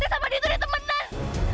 saya sama adil itu temenan